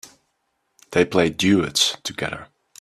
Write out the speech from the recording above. They play duets together.